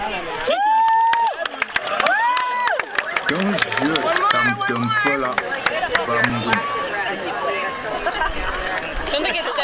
Tə̂ŋjyə tâmtə pfəmlǎ' bâ mguŋ.